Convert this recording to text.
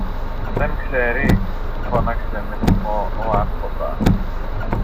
Δεν ξέρεις; φώναξε με θυμό ο Άρχοντας.